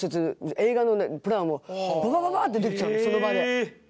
映画のプランをババババッてできちゃうその場で。